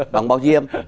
bằng bao diêm